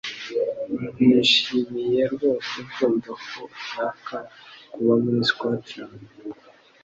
Nishimiye rwose kumva ko ushaka kuba muri Scotland.